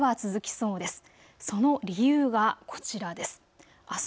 その理由が、こちらです。